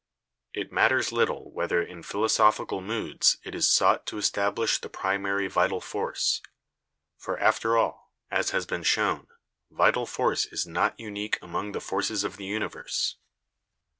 It matters little whether in philosophical moods it is sought to establish the primary vital force, for after all, as has been shown, vital force is not unique among the forces of the universe.